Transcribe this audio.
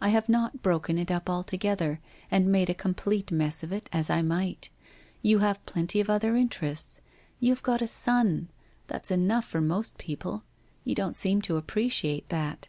I have not broken it up altogether and made a complete mess of it as I might, You have plenty of other interests. You have got a son. That's enough for most people. You don't seem to appreciate that.